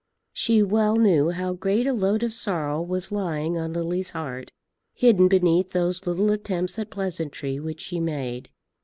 She well knew how great a load of sorrow was lying on Lily's heart, hidden beneath those little attempts at pleasantry which she made.